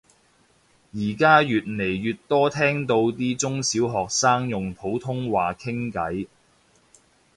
而家越嚟越多聽到啲中小學生用普通話傾偈